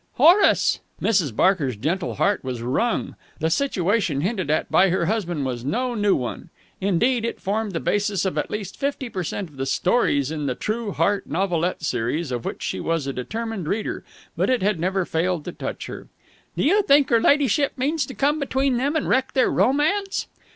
"Horace!" Mrs. Barker's gentle heart was wrung. The situation hinted at by her husband was no new one indeed, it formed the basis of at least fifty per cent of the stories in the True Heart Novelette Series, of which she was a determined reader but it had never failed to touch her. "Do you think her ladyship means to come between them and wreck their romance?"